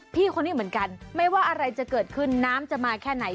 พี่คนนี้เหมือนกันไม่ว่าอะไรจะเกิดขึ้นน้ำจะมาแค่ไหน